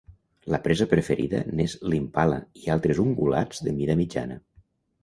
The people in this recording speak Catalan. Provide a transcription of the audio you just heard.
La presa preferida n'és l'impala i altres ungulats de mida mitjana.